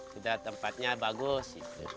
sudah tempatnya bagus